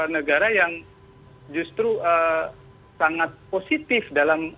negara yang justru sangat positif dalam